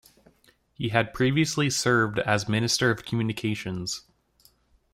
He had previously served as Minister of Communications.